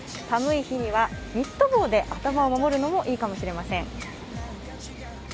寒い日にはニット帽で頭を守るのもいいかもしれません。